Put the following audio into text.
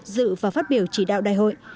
dự và phát biểu chỉ đạo đại hội